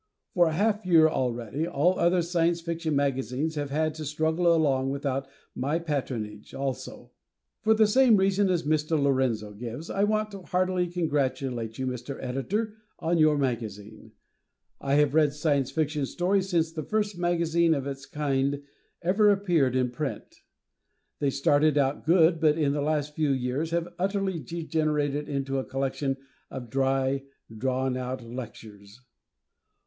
For a half year already, all other Science Fiction magazines have had to struggle along without my patronage, also. For the same reason as Mr. Lorenzo gives, I want to heartily congratulate you, Mr. Editor, on your magazine. I have read Science Fiction stories since the first magazine of its kind ever appeared in print. They started out good, but in the last few years have utterly degenerated into a collection of dry, drawn out lectures.